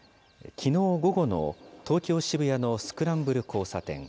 きのう午後の東京・渋谷のスクランブル交差点。